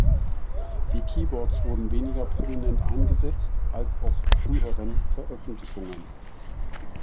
Die Keyboards wurden weniger prominent eingesetzt als auf früheren Veröffentlichungen.